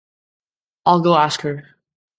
I'll go ask her.